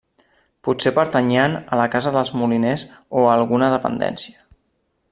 Potser pertanyien a la casa dels moliners o a alguna dependència.